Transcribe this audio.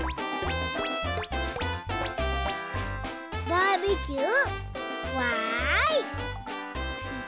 バーベキューわい！